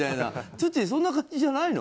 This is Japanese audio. ツッチー、そんな感じじゃないの。